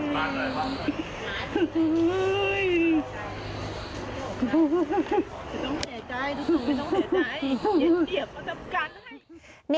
มันออกไปรักหนูน่ะ